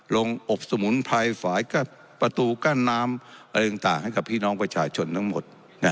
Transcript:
อบสมุนไพรฝ่ายประตูกั้นน้ำอะไรต่างให้กับพี่น้องประชาชนทั้งหมด